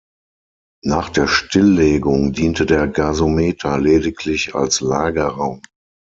Nach der Stilllegung diente der Gasometer lediglich als Lagerraum.